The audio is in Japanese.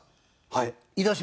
はい。